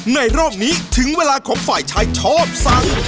รอบนี้ถึงเวลาของฝ่ายชายชอบสั่ง